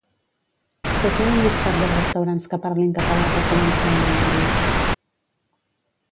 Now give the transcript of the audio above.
Fes-me un llistat de restaurants que parlin català per començar a anar-hi